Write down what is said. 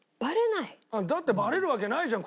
だってバレるわけないじゃん